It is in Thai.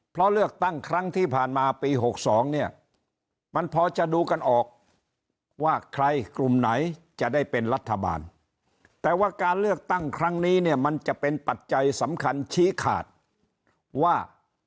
เพราะเลือกตั้งครั้งที่ผ่านมาปี๖๒เนี่ยมันพอจะดูกันออกว่าใครกลุ่มไหนจะได้เป็นรัฐบาลแต่ว่าการเลือกตั้งครั้งนี้เนี่ยมันจะเป็นปัจจัยสำคัญชี้ขาดว่า